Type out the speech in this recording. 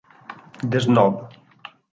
The Snob